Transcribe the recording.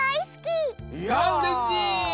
いやうれしい！